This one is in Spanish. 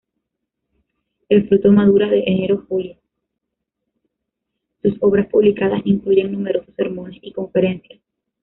Sus obras publicadas incluyen numerosos sermones y conferencias.